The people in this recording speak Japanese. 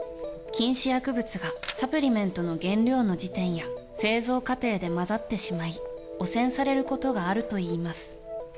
禁止薬物がサプリメントの原料の時点や製造過程で混ざってしまい汚染されることがあるといいます。